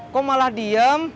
kok malah diem